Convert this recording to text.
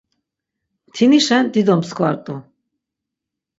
Mtinişen dido mskva rt̆u.